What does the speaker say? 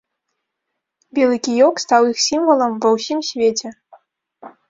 Белы кіёк стаў іх сімвалам ва ўсім свеце.